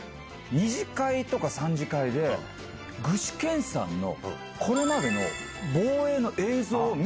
２次会とか３次会で具志堅さんのこれまでの。